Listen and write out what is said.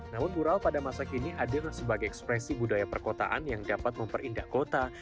namun mural pada masa kini hadir sebagai ekspresi budaya perkotaan yang dapat memperindah kota